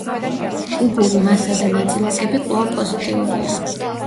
კუბური მასა და ნაწილაკები კვლავ პოზიტიურია.